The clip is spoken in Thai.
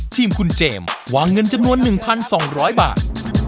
ทีมคุณเจมส์วางเงินจำนวน๑๒๐๐บาท